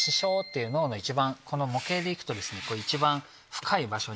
脳の一番この模型で行くと一番深い場所に。